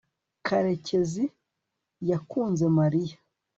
karekezi yakunze mariya